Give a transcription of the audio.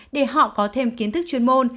để họ có thêm kiến thức chuyên môn